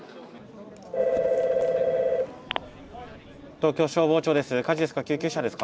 ☎東京消防庁です。